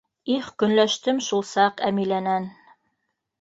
Их, көнләштем шул саҡ Әмиләнән.